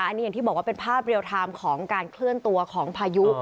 อันนี้อย่างที่บอกว่าเป็นภาพเรียลไทม์ของการเคลื่อนตัวของพายุ